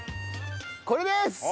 これです！